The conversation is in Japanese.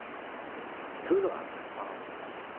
そういうのはあった。